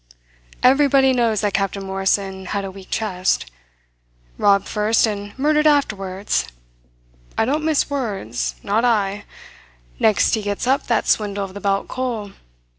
Everybody knows that Captain Morrison had a weak chest. Robbed first and murdered afterwards! I don't mince words not I. Next he gets up that swindle of the Belt Coal.